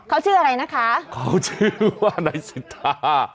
เขาชื่ออะไรนะคะเขาชื่อว่านายสิทธา